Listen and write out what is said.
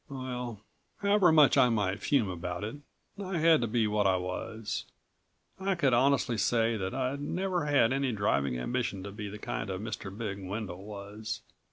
Well ... however much I might fume about it ... I had to be what I was. I could honestly say that I'd never had any driving ambition to be the kind of Mr. Big Wendel was.